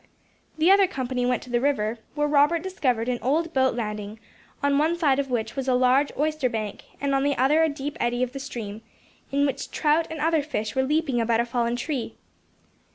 The other company went to the river, where Robert discovered an old boat landing, on one side of which was a large oyster bank, and on the other a deep eddy of the stream, in which trout and other fish were leaping about a fallen tree.